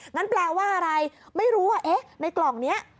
งั้นแปลว่าอะไรไม่รู้ในกล่องนี้